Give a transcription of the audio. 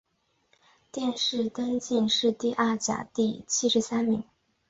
殿试登进士第二甲第七十三名。